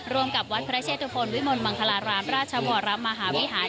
กับวัดพระเชตุพลวิมลมังคลารามราชวรมหาวิหาร